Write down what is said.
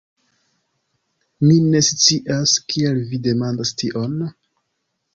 Mi ne scias, kial vi demandas tion?